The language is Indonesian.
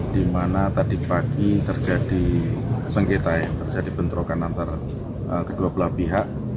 dimana tadi pagi terjadi sengketa yang terjadi bentrokan antara kedua belah pihak